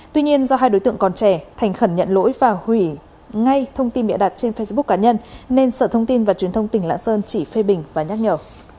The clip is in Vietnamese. tuy nhiên do hai đối tượng còn trẻ thành khẩn nhận lỗi và hủy ngay thông tin bịa đặt trên facebook cá nhân nên sở thông tin và truyền thông tỉnh lạng sơn chỉ phê bình và nhắc nhở